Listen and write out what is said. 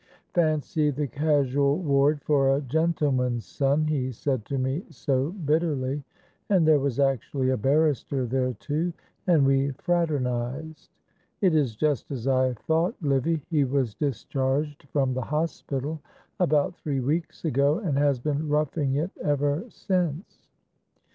'Fancy the casual ward for a gentleman's son,' he said to me so bitterly, 'and there was actually a barrister there too, and we fraternised.' It is just as I thought, Livy, he was discharged from the hospital about three weeks ago, and has been roughing it ever since."